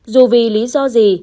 dù vì lý do gì